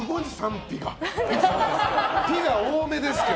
否が多めですけど。